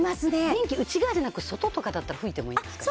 内側やなくて外とかだったら拭いてもいいですか？